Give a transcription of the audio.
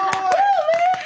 おめでとう！